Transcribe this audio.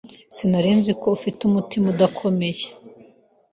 Sinari nzi ko afite umutima udakomeye. (